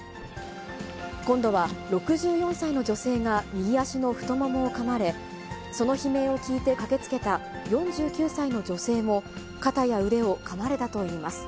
今度は６４歳の女性が右足の太ももをかまれ、その悲鳴を聞いて駆けつけた４９歳の女性も、肩や腕をかまれたといいます。